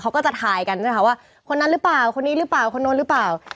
เขาก็จะทายกันใช่ไหมคะว่าคนนั้นหรือเปล่าคนนี้หรือเปล่าคนนู้นหรือเปล่า